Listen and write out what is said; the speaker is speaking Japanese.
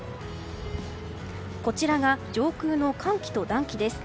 こちらが上空の寒気と暖気です。